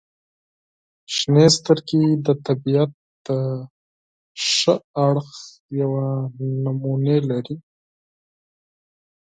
• شنې سترګې د طبیعت د غوره اړخ یوه نمونې لري.